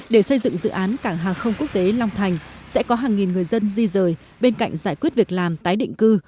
để xây dựng dự án cảng hàng không quốc tế long thành sẽ có hàng nghìn người dân di rời bên cạnh giải quyết việc làm tái định cư